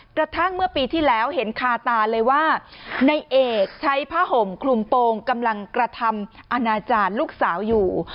กระทั่งเมื่อปีที่แล้วเห็นคาตาเลยว่าในเอกใช้ผ้าห่มคลุมโปรงกำลังกระทำอาณาจารย์ลูกสาวอยู่